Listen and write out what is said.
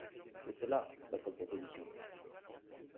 C’est cela, votre proposition.